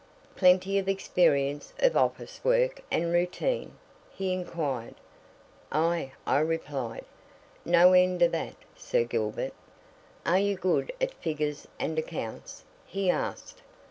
"Plenty of experience of office work and routine?" he inquired. "Aye!" I replied. "No end of that, Sir Gilbert!" "Are you good at figures and accounts?" he asked.